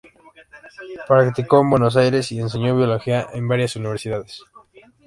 Practicó en Buenos Aires y enseñó biología en varias universidades.